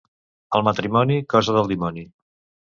El matrimoni, cosa del dimoni.